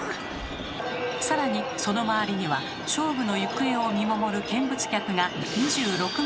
さらにその周りには勝負の行方を見守る見物客が２６万人以上。